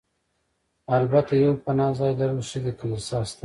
البته یو پناه ځای لرل ښه دي، کلیسا شته.